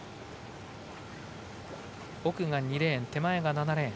奥が２レーン、手前が７レーン。